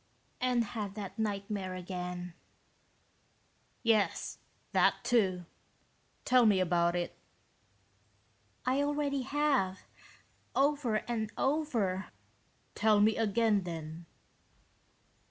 "And had that nightmare again." "Yes, that, too. Tell me about it." "I already have. Over and over." "Tell me again, then."